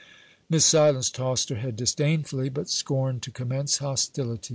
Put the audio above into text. Miss Silence tossed her head disdainfully, but scorned to commence hostilities.